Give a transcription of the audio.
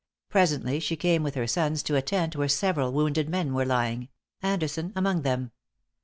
Presently she came with her sons to a tent where several wounded men were lying Anderson among them.